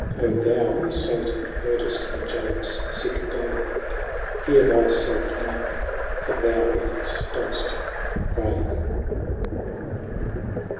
205 O Thou who Satan heard'ft in Jobs ficke day, Heare thy felfe now, for thou in us doft pray.